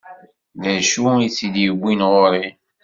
D acu i tt-id-iwwin ɣur-i?